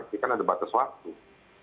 tapi kan ada batas waktu